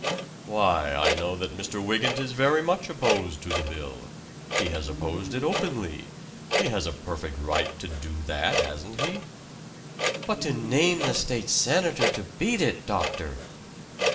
"Why, I know that Mr. Wygant is very much opposed to the bill. He has opposed it openly. He has a perfect right to do that, hasn't he?"' "But to name the State senator to beat it, doctor!"